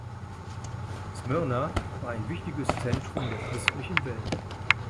Smyrna war ein wichtiges Zentrum der christlichen Welt.